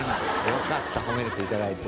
よかった、褒めていただいて。